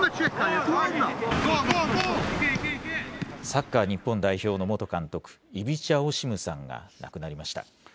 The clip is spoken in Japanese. サッカー日本代表の元監督、イビチャ・オシムさんが亡くなりました。